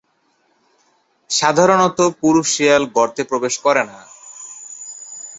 সাধারনত পুরুষ শিয়াল গর্তে প্রবেশ করে না।